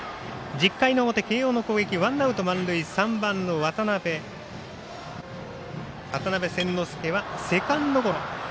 １０回の表、慶応の攻撃ワンアウト一塁二塁、３番の渡邉千之亮はセカンドゴロ。